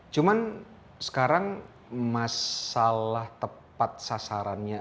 cuman sekarang masalah tepat sasarannya